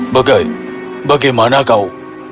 bagai bagaimana kau